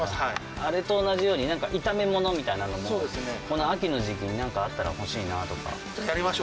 あれと同じように、炒め物みたいなものも、この秋の時期に何かあったら欲しいなとか。